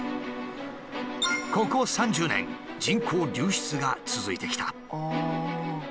ここ３０年人口流出が続いてきた。